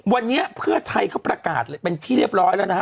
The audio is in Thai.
วันนี้เพื่อไทยเขาประกาศเป็นที่เรียบร้อยแล้วนะฮะ